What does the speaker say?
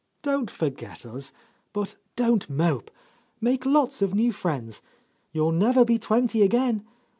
"Don't forget us, but don't mope. Make lots of new friends. You'll never be twenty again.